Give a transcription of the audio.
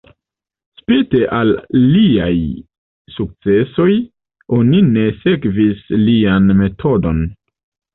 Spite al liaj sukcesoj, oni ne sekvis lian metodon.